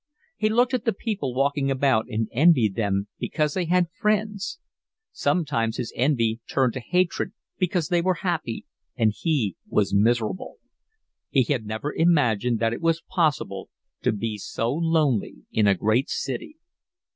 He looked at the people walking about and envied them because they had friends; sometimes his envy turned to hatred because they were happy and he was miserable. He had never imagined that it was possible to be so lonely in a great city.